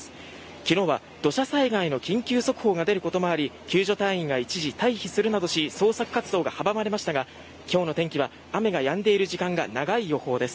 昨日は土砂災害の緊急速報が出ることもあり救出活動が阻まれましたが今日の天気は雨がやんでいる時間が長い予報です。